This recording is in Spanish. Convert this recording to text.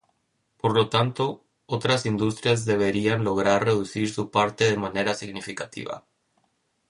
Por lo tanto, otras industrias deberían lograr reducir su parte de manera significativa.